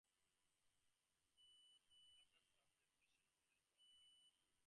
However, Birthler after some time decided not to run.